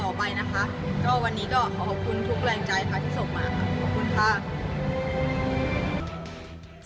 ต่อไปนะคะก็วันนี้ก็ขอขอบคุณทุกแรงใจค่ะที่ส่งมาค่ะขอบคุณค่ะ